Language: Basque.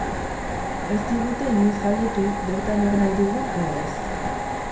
Ez digute inoiz galdetu bertan egon nahi dugun ala ez.